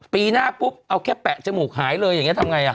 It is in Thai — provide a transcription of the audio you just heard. ปีหน้าปุ๊บเอาแค่แปะจมูกหายเลยอย่างนี้ทำไง